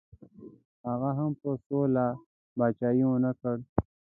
هغه هم په سوله پاچهي ونه کړه.